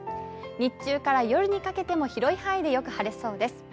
日中から夜にかけても広い範囲でよく晴れそうです。